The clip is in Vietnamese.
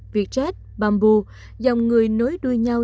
vietjet bamboo dòng người nối đuôi nhau